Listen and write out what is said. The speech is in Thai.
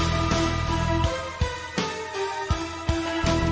ก็ไม่น่าจะดังกึ่งนะ